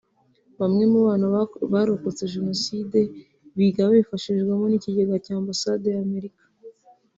Bamwe mu bana barokotse Jenoside biga babifashijwemo n’ikigega cya Ambasade ya Amerika